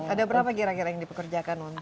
ada berapa kira kira yang dipekerjakan untuk